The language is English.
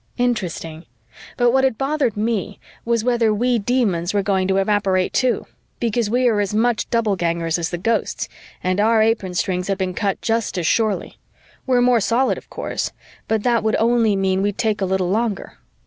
Interesting, but what had bothered me was whether we Demons were going to evaporate too, because we are as much Doublegangers as the Ghosts and our apron strings had been cut just as surely. We're more solid, of course, but that would only mean we'd take a little longer.